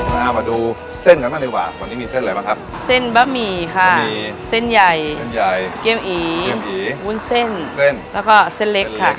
เอามาดูเส้นกันบ้างดีกว่าวันนี้มีเส้นอะไรบ้างครับเส้นบะหมี่ค่ะบะหมี่เส้นใหญ่เส้นใหญ่เกี้ยวอีเกี้ยวุ้นเส้นเส้นแล้วก็เส้นเล็กค่ะ